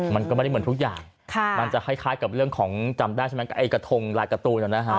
มันก็ไม่ได้เหมือนทุกอย่างมันจะคล้ายกับเรื่องของจำได้ใช่ไหมไอ้กระทงลายการ์ตูนนะฮะ